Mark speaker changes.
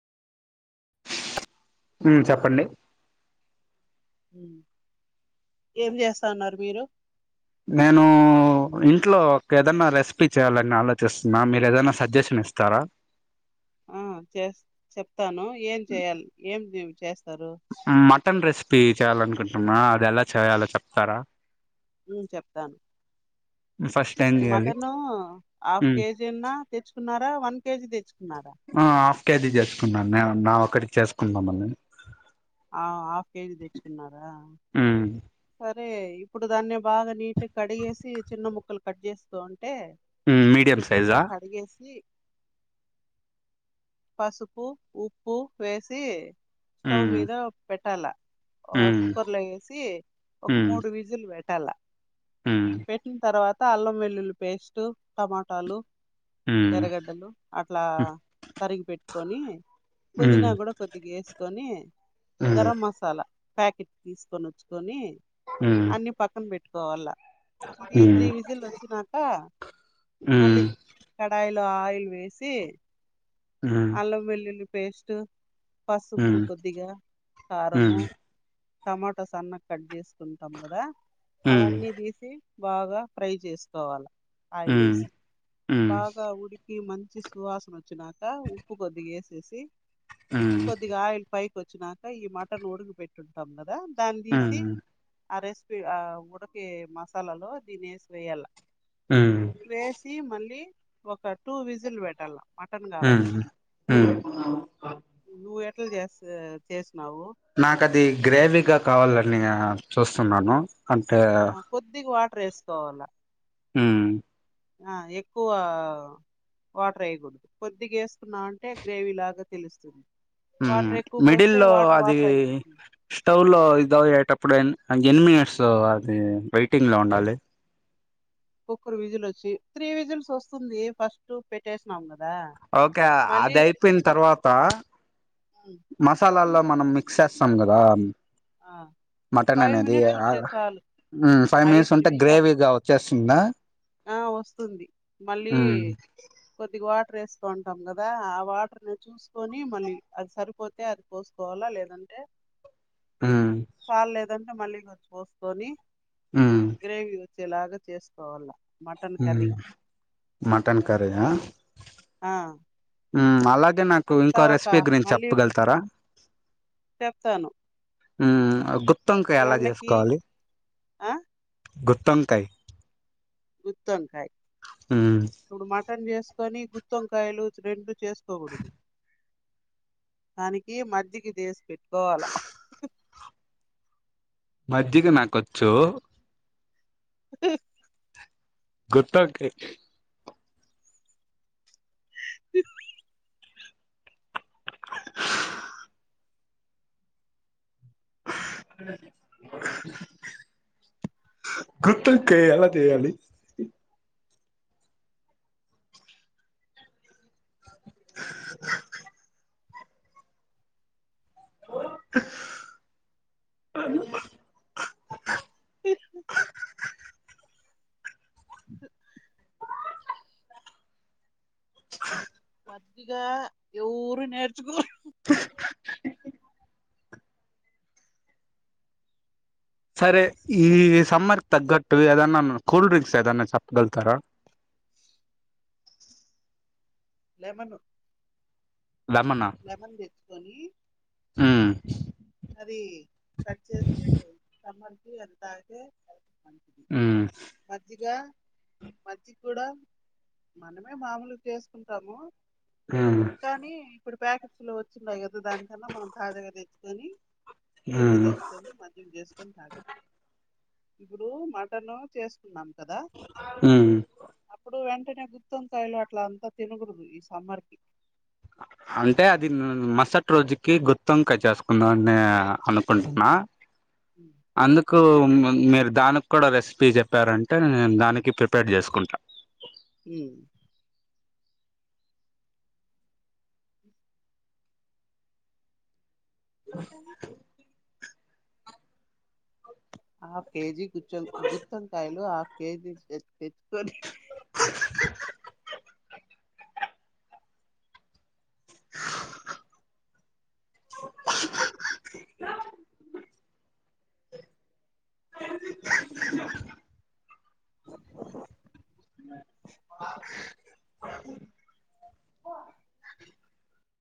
Speaker 1: హ్మ్ చెప్పండి
Speaker 2: హ్మ్ ఏం చేస్తా ఉన్నారు మీరు
Speaker 1: నేను ఇంట్లో ఒక ఏదన్నా రెసిపీ చేయ్యాలని ఆలోచిస్తున్నా మీరు ఏదైనా సజెషన్ ఇస్తారా
Speaker 2: ఆ చేస్ చెప్తాను ఏం చేయాలి ఏం చేస్తరు.
Speaker 1: టన్ రెసిపీ చేయ్యాలనుకుంటున్నా అది ఎలా చేయాలో చెప్తారా.
Speaker 2: హ్మ్ చెప్తాను
Speaker 1: ఫస్ట్ ఏం
Speaker 2: ఈ
Speaker 1: చేయాలి
Speaker 2: మటన్ హాఫ్
Speaker 1: ఉమ్
Speaker 2: కేజీన్నా తెచ్చుకున్నారా వన్ కేజీ తెచ్చు క్
Speaker 1: ఆ హాఫ్ కేజీ చేసుకున్నాను నే నా ఒక్కడికి చేసుకుందాంమని.
Speaker 2: ఆ ఆఫ్ కేజీ తెచ్చుకున్నారా
Speaker 1: ఉమ్
Speaker 2: సరే ఇప్పుడు దాన్ని బాగా నీట్ కడిగేసి చిన్న ముక్కలు కట్ చేస్కొం అంటే
Speaker 1: ఉమ్ మీడియం సైజా
Speaker 2: శుభ్రంగా కడిగేసి పసుపు ఉప్పు వేసి స్టవ్
Speaker 1: ఉమ్
Speaker 2: మీద పెట్టాల ఒక
Speaker 1: ఉమ్
Speaker 2: కుక్కర్ లో వేసి ఒక
Speaker 1: ఉమ్
Speaker 2: మూడు విజిల్లు పెట్టాల.
Speaker 1: ఉమ్
Speaker 2: పెట్టిన తర్వాత అల్లం వెల్లుల్లి పేస్ట్ టమాటాలు
Speaker 1: ఉమ్
Speaker 2: ఎర్రగడ్డలు అట్లా తరిగి పెట్టుకొని పుదీనా
Speaker 1: ఉమ్
Speaker 2: కూడా కొద్దిగా వేసుకొని గరం మసాలా ప్యాకెట్ తీసుకొని వచ్చుకొని అన్ని పక్కన పెట్టుకోవాలా ఇది
Speaker 1: ఉమ్
Speaker 2: త్రీ
Speaker 1: ఉమ్
Speaker 2: విజిల్ వచ్చినాక మళ్ళీ కడాయిల్ ఆయిల్ వేసి
Speaker 1: ఉమ్ ఉమ్
Speaker 2: అల్లం వెల్లుల్లి పేస్ట్ పసుపు కొద్దిగా కారము
Speaker 1: ఉమ్ ఉమ్
Speaker 2: టమాటోస్ అన్న కట్ చేసుకుంటాం కదా
Speaker 1: ఉమ్ ఉమ్ ఉమ్ ఉమ్
Speaker 2: అవన్నీ తీసి బాగా ఫ్రై చేసుకోవాలి ఆయిల్ వేసి బాగా ఉడిక్ కి మంచి సువాసన వచ్చినాక ఉప్పు కొద్దిగా వేసేసి
Speaker 1: ఉమ్
Speaker 2: కొద్దిగా ఆయిల్ పై కి వచ్చినాక ఈ మటన్ ఉడక పెట్టుంటాం కదా దాన్ని తీసి
Speaker 1: ఉమ్
Speaker 2: ఆ రెసిపీ ఆ ఉడకి మసాలాలో దిన్నేసి వేయ్యాల
Speaker 1: ఉమ్
Speaker 2: వేసి మళ్ళీ ఒక టూ విజిల్ పెట్టాల మటన్ కాబట్టి
Speaker 1: హ్మ్
Speaker 2: మీ ఎట్లా చేస్త చేస్ చేసినావు
Speaker 1: నాక అది గ్రేవీగా కావాలని చూస్తున్నాను. అంటే
Speaker 2: కొద్దిగా వాటర్ వేసుకోవాలా
Speaker 1: హ్మ్
Speaker 2: ఆ ఎక్కువ వాటర్ ఎయ్యకూడదు కొద్దిగా వేసుకున్నా అంటే గ్రేవీ లాగా తెలుస్తుంది.
Speaker 1: హ్మ్
Speaker 2: వాటర్ ఎక్కువ
Speaker 1: మిడిల్
Speaker 2: పోస్తే
Speaker 1: లో
Speaker 2: వాటర్
Speaker 1: అది
Speaker 2: వాటర్ అయిపోతుంది
Speaker 1: స్టవ్ లో ఇదయ్యేటప్పుడు ఎన్ని మినిట్స్ అది వెయిటింగ్ లో ఉండాలి.
Speaker 2: కుక్కరు విజిల్ వచ్చి త్రీ విజిల్స్ వస్తుంది ఫస్ట్ పెట్టేసినాం కదా
Speaker 1: ఓకే
Speaker 2: మళ్ళీ
Speaker 1: అది అయిపోయిన్ తర్వాత మసాలల్లో మనం మిక్స్ చేస్తాం కదా
Speaker 2: ఆ
Speaker 1: మటన్
Speaker 2: ఫైవ్
Speaker 1: అనేది
Speaker 2: మినిట్స్
Speaker 1: ఆ
Speaker 2: ఉంటే చాలు
Speaker 1: ఉమ్ ఫైవ్ మినిట్స్
Speaker 2: ఐదు
Speaker 1: ఉంటే
Speaker 2: నిమిషాలు
Speaker 1: గ్రేవీగా వచ్చేస్తుందా
Speaker 2: ఆ వస్తుంది మళ్ళీ
Speaker 1: ఉమ్
Speaker 2: కొద్దిగా వాటర్ వేస్ కొంటాం కదా ఆ వాటర్ని చూసుకొని మళ్ళీ అది సరిపోతే అది పోసుకోవాలా లేదంటే
Speaker 1: ఉమ్
Speaker 2: చాల్లేదంటే మళ్ళీ కో చుసుకొని
Speaker 1: ఉమ్
Speaker 2: గ్రేవీ చేలాగా చేసుకోవాల మటన్ కర్రీ
Speaker 1: ఉమ్ మటన్ కర్రియా
Speaker 2: ఆ
Speaker 1: అలాగే నాకు
Speaker 2: అంతా
Speaker 1: ఇంకో
Speaker 2: ఒక
Speaker 1: రెసిపీ గురించి
Speaker 2: మళ్ళీ
Speaker 1: చెప్పగలుతారా
Speaker 2: చెప్తాను
Speaker 1: ఉమ్ గుత్తొంకాయ ఎలా
Speaker 2: ఎండకి
Speaker 1: చేసుకోవాలి
Speaker 2: ఆ
Speaker 1: గుత్తొంకాయ్
Speaker 2: గుత్తొంకాయ్ ఇప్పుడు మ టన్ చేసుకొని గుత్తొంకాయలు రెండు చేసుకోకూడదు దానికి మజ్జికి చేసి పెట్టుకోవాల
Speaker 1: మజ్జిగ నాకొచ్చు గుత్తొంకాయ్ అ గుత్తొంకాయ్ ఎలా చేయాలి అ
Speaker 2: ఇ త్ అత్తిగా ఎవరు నేర్చకో
Speaker 1: సరే ఉమ్ సమ్మర్కి తగట్టు ఎదన్న కూల్డ్రింగ్స్ ఎదన్న చప్పగలుతార
Speaker 2: లెమను
Speaker 1: లెమనా ఉమ్
Speaker 2: అది కట్ చేసి సమ్మర్ కి అది తాగితే
Speaker 1: ఉమ్
Speaker 2: మజ్జిగూడా మనమే మామూలుగా చేసుకుంటాము
Speaker 1: ఉమ్
Speaker 2: కానీ ఇప్పుడు ప్యాకెట్స్ లో వచ్చిన్నాయి కదా దానికన్నా మనం తాజాగా తెచ్చుకొని పెరుగు
Speaker 1: మ్మ్
Speaker 2: తెచ్చుకొని మజ్జిగ చేసుకొని తాగచ్చు ఇప్పుడు మటను చేసుకున్నాం కదా
Speaker 1: మ్మ్
Speaker 2: అప్పుడు వెం టనే గుత్తొంకాయలు అట్ల అంతా తినకూడదు ఈ సమ్మర్కి
Speaker 1: అంటే అది మరుసటి రోజుకి గుత్తొంకాయ్ చేసుకుందామని అనుకుంటున్నా అందుకు మ్ మి దానికి కూడా రెసిపీ చెప్పారంటే నేను దానికి ప్రిపేర్ చేసుకుంటా
Speaker 2: ఉమ్ హాఫ్ కేజీ గుచ్చ గుత్తొంకాయలు హాఫ్ కేజీ తెచ్ తెచ్చుకొని
Speaker 1: [unintelligible] [unintelligible] [unintelligible] [unintelligible] [unintelligible]